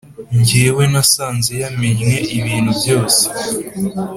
jyewe nasanze yamennye ibintu byose